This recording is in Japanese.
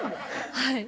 はい。